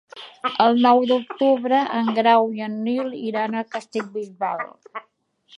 El nou d'octubre en Grau i en Nil iran a Castellbisbal.